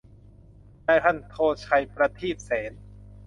นายพันโท ไชย ประทีบเสน